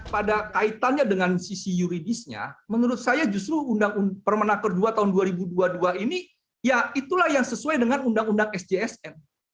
pada kaitannya dengan sisi yuridisnya menurut saya justru permenaker dua tahun dua ribu dua puluh dua ini ya itulah yang sesuai dengan undang undang sjsn